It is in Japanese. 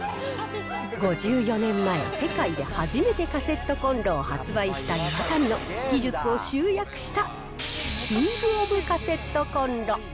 ５４年前、世界で初めてカセットコンロを発売したイワタニの技術を集約したキングオブカセットコンロ。